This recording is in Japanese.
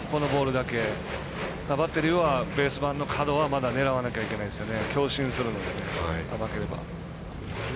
だから、バッテリーはベース板の角はまだ狙わないといけないですね。